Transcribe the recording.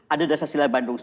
ada dasar silat bandung